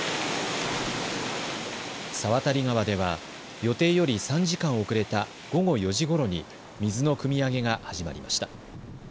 猿渡川では予定より３時間遅れた午後４時ごろに水のくみ上げが始まりました。